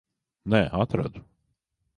Nē, atradu.